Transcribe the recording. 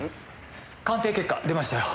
鑑定結果出ましたよ。